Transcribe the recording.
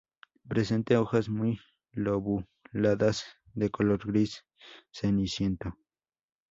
Presenta hojas muy lobuladas de color gris ceniciento.